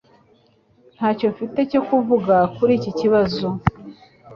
Ntacyo mfite cyo kuvuga kuri iki kibazo